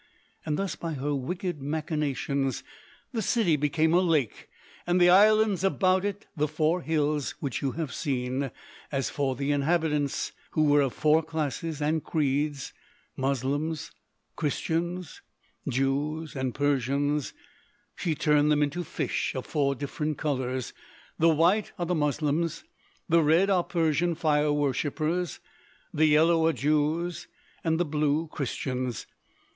Thus by her wicked machinations the city became a lake, and the islands about it the four hills which you have seen; as for the inhabitants, who were of four classes and creeds, Moslems, Christians, Jews, and Persians, she turned them into fish of four different colours: the white are the Moslems, the red are Persian fire worshippers, the yellow are Jews, and the blue Christians.